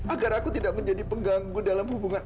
agar aku tidak menjadi pengganggu dalam hubungan